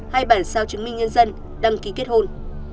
hai bản sao chứng minh nhân dân đăng ký kết hôn